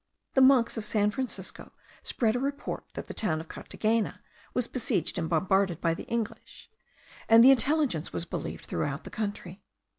The monks of San Francisco spread a report that the town of Carthagena was besieged and bombarded by the English; and the intelligence was believed throughout the country.